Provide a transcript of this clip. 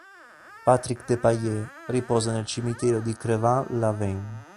Patrick Depailler riposa nel cimitero di Crevant-Laveine.